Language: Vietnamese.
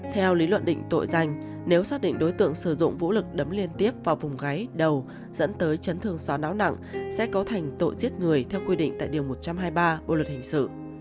theo lý luận định tội danh nếu xác định đối tượng sử dụng vũ lực đấm liên tiếp vào vùng gáy đầu dẫn tới chấn thương sò não nặng sẽ có thành tội giết người theo quy định tại điều một trăm hai mươi ba bộ luật hình sự